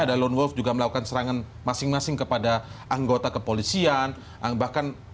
ada lone wolf juga melakukan serangan masing masing kepada anggota kepolisian bahkan